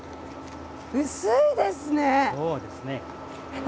薄いですね。